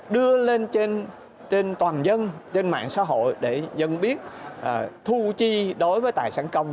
đưa lên trên toàn dân trên mạng xã hội để dân biết thu chi đối với tài sản công